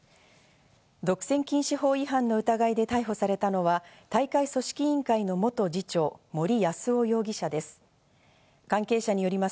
独占禁止法違反の疑いで逮捕されたのは、大会組織委員会の元次長・森泰夫容疑者です。